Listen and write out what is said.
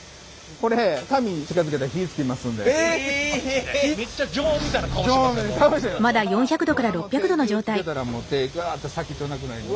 これ手ぇギュつけたらもう手ぇガッと先っちょなくなります。